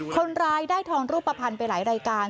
คนร้ายได้ทองรูปภัณฑ์ไปหลายรายการ